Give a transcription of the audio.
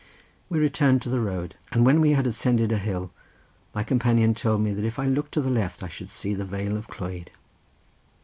We returned to the road, and when we had ascended a hill my companion told me that if I looked to the left I should see the vale of Clwyd.